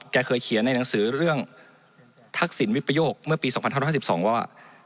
เคยเขียนในหนังสือเรื่องทักษิณวิปโยคเมื่อปี๒๕๕๒ว่า